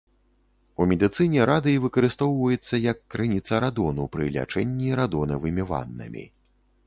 У медыцыне радый выкарыстоўваецца як крыніца радону пры лячэнні радонавымі ваннамі.